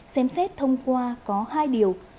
xem xét thông qua có hai điều